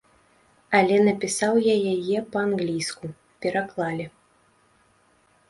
Але напісаў я яе па-англійску, пераклалі.